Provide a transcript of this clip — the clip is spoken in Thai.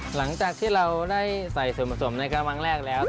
หลังจากที่เราได้ใส่ส่วนผสมในกระมังแรกแล้ว